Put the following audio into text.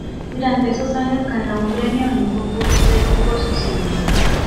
Durante esos años gana un premio en un concurso de composición.